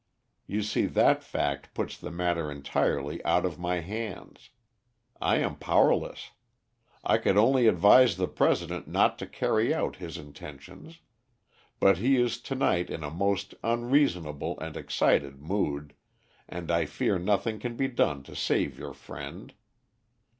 You see that fact puts the matter entirely out of my hands. I am powerless. I could only advise the President not to carry out his intentions; but he is to night in a most unreasonable and excited mood, and I fear nothing can be done to save your friend.